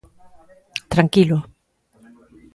–Tranquilo.